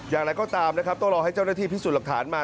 อย่างไรก็ตามนะครับต้องรอให้เจ้าหน้าที่พิสูจน์หลักฐานมา